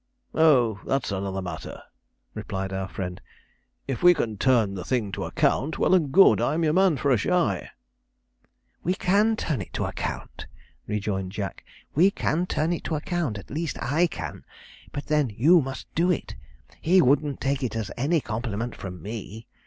'Oh, that's another matter,' replied our friend; 'if we can turn the thing to account, well and good I'm your man for a shy.' 'We can turn it to account,' rejoined Jack; 'we can turn it to account at least I can; but then you must do it. He wouldn't take it as any compliment from me.